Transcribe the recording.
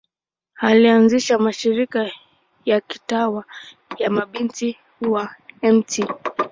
Alianzisha mashirika ya kitawa ya Mabinti wa Mt.